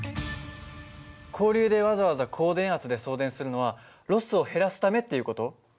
交流でわざわざ高電圧で送電するのはロスを減らすためっていう事？